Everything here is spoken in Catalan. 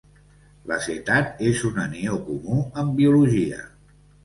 L'acetat és un anió comú en biologia.